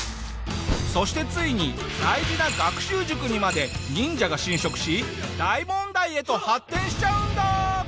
そしてついに大事な学習塾にまで忍者が侵食し大問題へと発展しちゃうんだ！